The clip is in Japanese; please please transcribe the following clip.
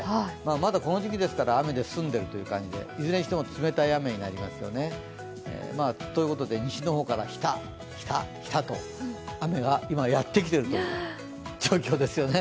まだこの時期ですから雨で済んでいるという感じで、いずれにしても冷たい雨になりますよね。ということで西の方からひた、ひた、ひたと雨が今、やってきているという状況ですよね。